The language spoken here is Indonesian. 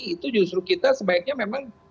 itu justru kita sebaiknya memang